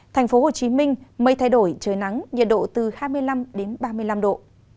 thành phố hồ chí minh mây thay đổi trời nắng nhiệt độ từ hai mươi năm ba mươi năm độ